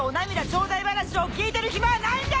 ちょうだい話を聞いてる暇はないんだ！」